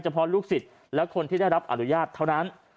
เพราะลูกศิษย์และคนที่ได้รับอนุญาตเท่านั้น